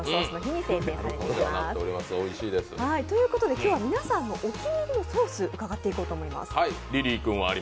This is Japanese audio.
今日は皆さんのお気に入りソースを伺っていこうと思います。